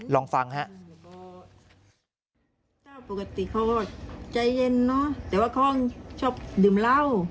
ถ้าปกติเขาใจเย็นเนอะแต่ว่าเขาชอบดื่มเหล้า